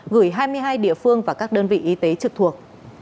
gửi hai mươi hai địa phương và các đơn vị y tế trực thuộc